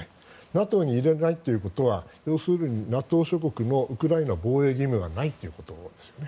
ＮＡＴＯに入れないということは要するにＮＡＴＯ諸国のウクライナ防衛義務がないということですよね。